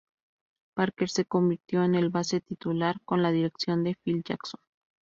Parker se convirtió en el base titular con la dirección de Phil Jackson.